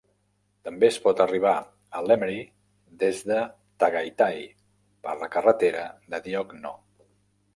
També es pot arribar a Lemery des de Tagaytay, per la carretera de Diokno.